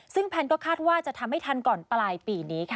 ซึ่งแพนก็คาดว่าจะทำให้ทันก่อนปลายปีนี้ค่ะ